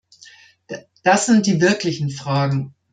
Das sind die wirklichen Fragen!